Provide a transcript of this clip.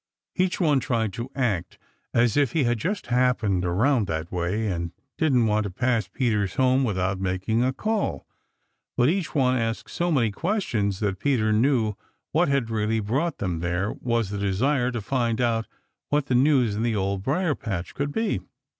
Each one tried to act as if he had just happened around that way and didn't want to pass Peter's home without making a call, but each one asked so many questions that Peter knew what had really brought him there was the desire to find out what the news in the Old Briar patch could be.